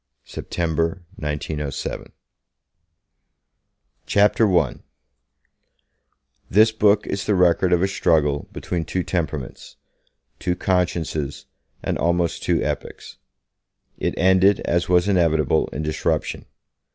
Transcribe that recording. September 1907 CHAPTER I THIS book is the record of a struggle between two temperaments, two consciences and almost two epochs. It ended, as was inevitable, in disruption.